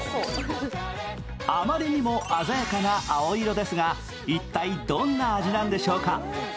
あまりにも鮮やかな青色ですが一体、どんな味なんでしょうか。